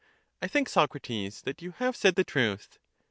I think, Socrates, that you have said the truth.